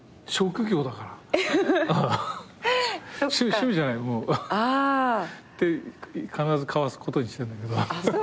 趣味じゃないもう。って必ずかわすことにしてるんだけど。